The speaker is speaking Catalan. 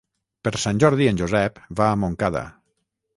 Per Sant Jordi en Josep va a Montcada.